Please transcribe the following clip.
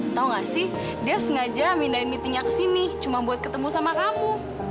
tau gak sih dia sengaja mindain meetingnya kesini cuma buat ketemu sama kamu